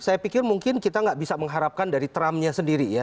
saya pikir mungkin kita tidak bisa mengharapkan dari trumpnya sendiri ya